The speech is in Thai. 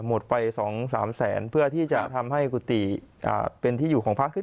หมดไป๒๓แสนเพื่อที่จะทำให้กุฏิเป็นที่อยู่ของพระคือ